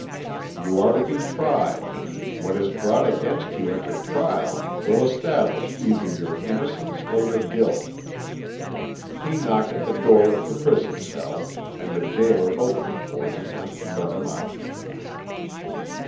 "You are to be tried; what is brought against you at your trial will establish either your innocence or your guilt." He knocked at the door of the prison cell, and the gaoler opened it for him and let him out.